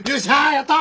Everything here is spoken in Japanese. やった！